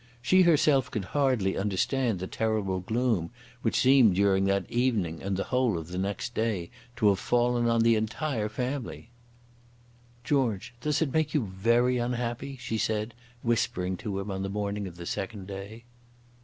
She herself could hardly understand the terrible gloom which seemed during that evening and the whole of the next day to have fallen on the entire family. "George, does it make you very unhappy?" she said, whispering to him on the morning of the second day.